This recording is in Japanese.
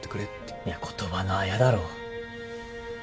いや言葉のあやだろ。